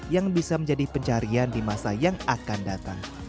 yang bisa menjadi pencarian di masa yang akan datang